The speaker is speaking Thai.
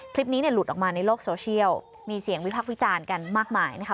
คลิปนี้เนี่ยหลุดออกมาในโลกโซเชียลมีเสียงวิพักษ์วิจารณ์กันมากมายนะคะ